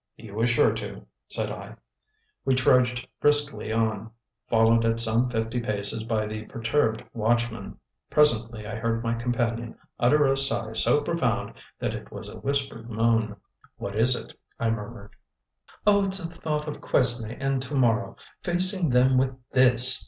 "He was sure to," said I. We trudged briskly on, followed at some fifty paces by the perturbed watchman. Presently I heard my companion utter a sigh so profound that it was a whispered moan. "What is it?" I murmured. "Oh, it's the thought of Quesnay and to morrow; facing them with THIS!"